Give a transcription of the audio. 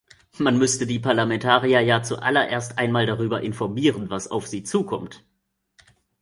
Man müsste die Parlamentarier ja zuallererst einmal darüber informieren, was auf sie zukommt.